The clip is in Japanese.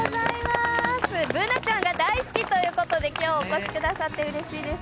Ｂｏｏｎａちゃんが大好きということで、今日お越しくださって、うれしいです。